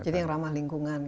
jadi yang ramah lingkungan